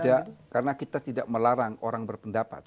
tidak karena kita tidak melarang orang berpendapat